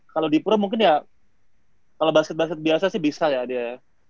kalau di pura mungkin ya kalau basket basket biasa sih bisa ya dia ya